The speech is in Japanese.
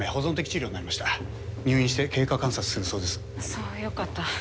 そうよかった。